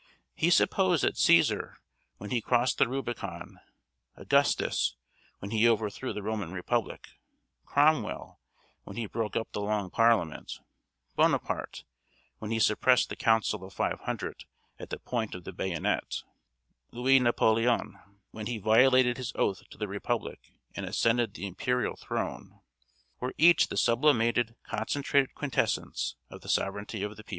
He supposed that Cæsar, when he crossed the Rubicon Augustus, when he overthrew the Roman Republic Cromwell, when he broke up the Long Parliament Bonaparte, when he suppressed the Council of Five Hundred at the point of the bayonet Louis Napoleon, when he violated his oath to the republic, and ascended the imperial throne were each the "sublimated, concentrated quintessence of the sovereignty of the people."